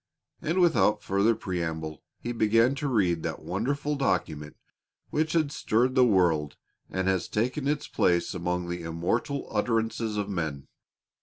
And without further preamble he began to read that wonderful document which has stirred the world and has taken its place among the immortal utterances of men.